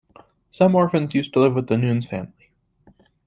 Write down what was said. Some orphans used to live with the Nunes family.